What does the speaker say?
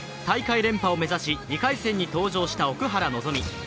大会連覇を目指し、２回戦に登場した奥原希望。